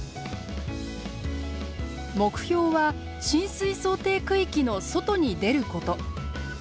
目標は浸水想定区域の外に出ること。